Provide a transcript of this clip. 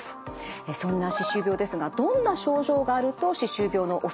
そんな歯周病ですがどんな症状があると歯周病のおそれがあるのか。